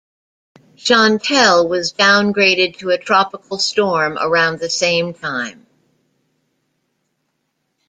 Chantal was downgraded to a tropical storm around the same time.